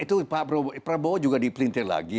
itu pak prabowo juga dipelintir lagi